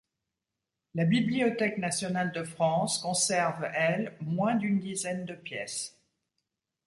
La Bibliothèque nationale de France conserve, elle, moins d'une dizaine de pièces.